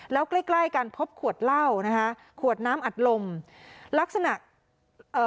แล้วใกล้ใกล้กันพบขวดเหล้านะคะขวดน้ำอัดลมลักษณะเอ่อ